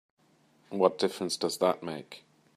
What difference does that make?